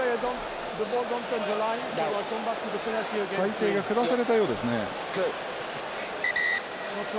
裁定が下されたようですね。